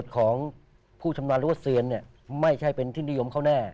ของผู้ชำนาญหรือว่าเซียนไม่ใช่เป็นที่นิยมเขาแน่